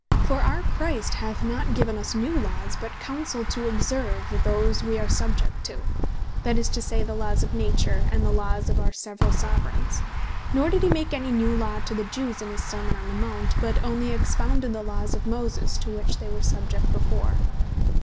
For our Saviour Christ hath not given us new Laws, but Counsell to observe those wee are subject to; that is to say, the Laws of Nature, and the Laws of our severall Soveraigns: Nor did he make any new Law to the Jews in his Sermon on the Mount, but onely expounded the Laws of Moses, to which they were subject before.